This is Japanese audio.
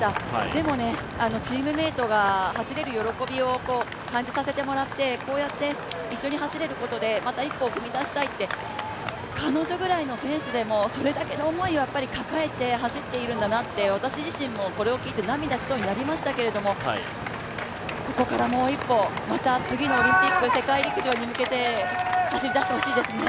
でも、チームメイトに走れる喜びを感じさせてもらって、こうやって一緒に走れることで、また一歩を踏み出したいと彼女ぐらいの選手でもそれぐらいの思いを抱えて走っているんだなと私自身もこれを聞いて涙しそうになりましたけれども、ここからもう一歩、また次のオリンピック、世界陸上に向けて走りだしてほしいですね。